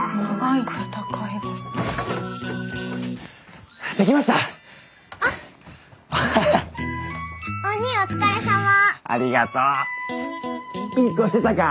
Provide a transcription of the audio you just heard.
いい子してたか？